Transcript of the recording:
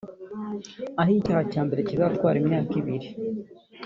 aho icya mbere kizatwara imyaka ibiri